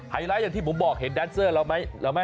ไลท์อย่างที่ผมบอกเห็นแดนเซอร์เราไหม